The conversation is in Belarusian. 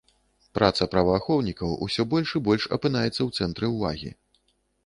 Праца праваахоўнікаў усё больш і больш апынаецца ў цэнтры ўвагі.